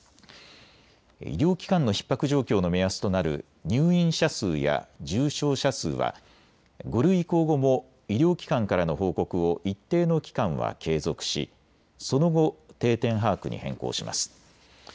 医療機関のひっ迫状況の目安となる入院者数や重症者数は５類移行後も医療機関からの報告を一定の期間は継続しその後、定点把握に変更します。